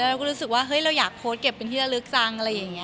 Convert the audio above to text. แล้วเราก็รู้สึกว่าเฮ้ยเราอยากโพสต์เก็บเป็นที่ละลึกจัง